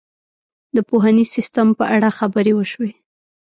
د پوهنیز سیستم په اړه خبرې وشوې.